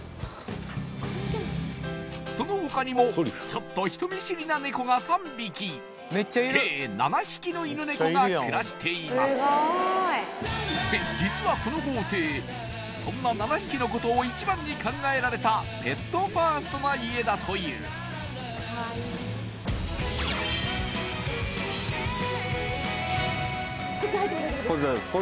そのほかにもちょっと人見知りなネコが３匹計７匹の犬ネコが暮らしていますで実はこの豪邸そんな７匹のことを一番に考えられたペットファーストな家だというこっち入っても大丈夫ですか？